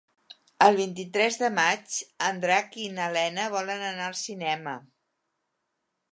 El vint-i-tres de maig en Drac i na Lena volen anar al cinema.